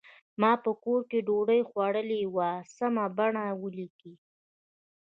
ما په کور کې ډوډۍ خوړلې وه سمه بڼه ولیکئ.